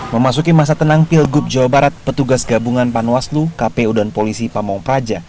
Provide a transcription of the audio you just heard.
memasuki masa tenang pilgub jawa barat petugas gabungan panwaslu kpu dan polisi pamung praja